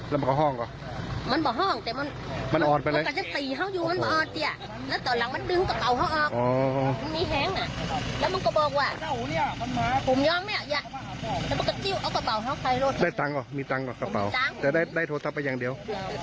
เตือนได้โทรทับเป้าอย่างเดียว